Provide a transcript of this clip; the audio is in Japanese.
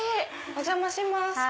お邪魔します。